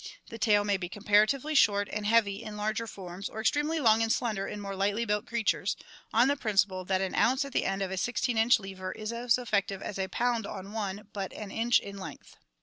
The tail may be comparatively short and heavy in larger forms or extremely long and slender in more lightly built creatures, on the principle that an ounce at the end of a sixteen inch lever is as effective as a pound on one but an inch in length.